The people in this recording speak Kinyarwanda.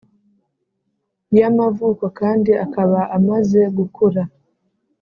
y’amavuko kandi akaba amaze gukura